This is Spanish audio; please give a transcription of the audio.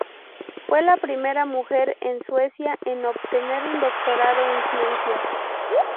Fue la primera mujer en Suecia en obtener un doctorado en Ciencias.